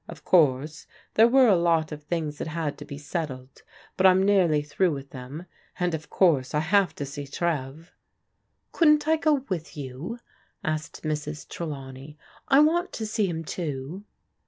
" Of course, there were a lot of things that had to be settled, but I'm nearly through with them. And, of course, I have to see Trev." "Couldn't I go with you? asked Mrs. Trelawney. " I want to see him too."